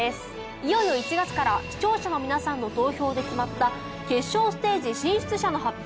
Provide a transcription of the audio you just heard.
いよいよ１月から視聴者の皆さんの投票で決まった決勝ステージ進出者の発表。